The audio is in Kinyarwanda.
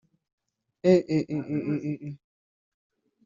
Eh eh eh) eh eh eh